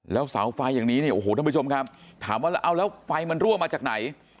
แล้วเสาไฟอย่างนี้เนี่ยโอ้โหท่านผู้ชมครับถามว่าแล้วเอาแล้วไฟมันรั่วมาจากไหน